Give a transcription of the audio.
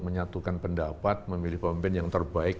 menyatukan pendapat memilih pemimpin yang terbaik